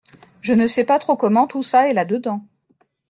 Je ne sais pas trop comment tout ça est là dedans ?